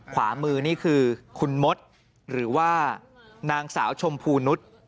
ขวามือนี่คือคุณมดหรือว่านางสาวชมพูนุษย์